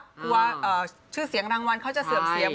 กลัวชื่อเสียงรางวัลเขาจะเสื่อมเสีย